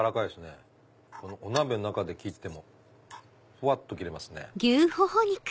お鍋の中で切ってもふわっと切れますね。